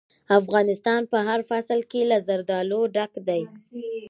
افغانستان په هر فصل کې له زردالو ډک دی.